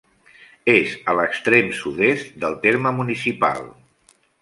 És a l'extrem sud-est del terme municipal.